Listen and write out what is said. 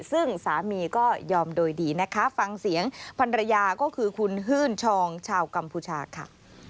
ซึ่งสามีก็ยอมโดยดีนะคะฟังเสียงพันรยาก็คือคุณฮื่นชองชาวกัมพูชาค่ะ